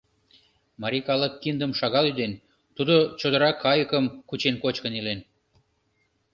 Марий калык киндым шагал ӱден, тудо чодыра кайыкым кучен кочкын илен.